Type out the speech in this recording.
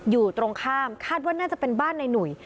อยู่ตรงข้ามคาดว่าน่าจะเป็นบ้านในหนุ่ย